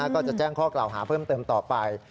ก็จะแจ้งข้อกล่าวหาเพิ่มเติมต่อไป